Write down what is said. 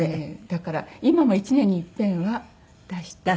だから今も１年にいっぺんは出して。